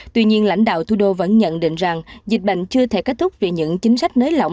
tuy nhiên lãnh đạo thủ đô vẫn nhận định rằng dịch bệnh chưa thể kết thúc vì những chính sách nới lỏng